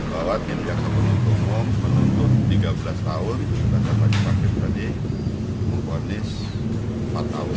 bahwa tim jaksa penuntut umum menuntut tiga belas tahun kita dapat dipakai tadi umum ponis empat tahun